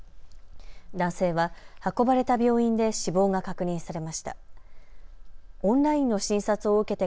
男性は運ばれた病院で死亡が確認されました。